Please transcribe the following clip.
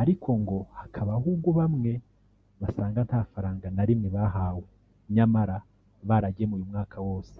ariko ngo hakabaho ubwo bamwe basanga nta faranga na rimwe bahawe nyamara baragemuye umwaka wose